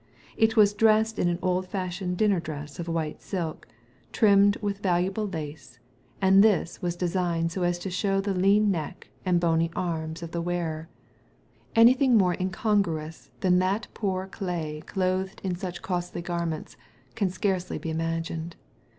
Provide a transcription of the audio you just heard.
It was dressed in an old fashioned dinner dress of white silk, trimmed with Digitized by Google THE DEATH CARD 13 valuable lace, and this was designed so as to show the lean neck and bony arms of the wearer. Anything more incongruous than that poor clay clothed in such costly garments can scarcely be imagined.